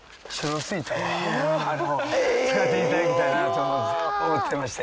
使っていただきたいなと思っていまして。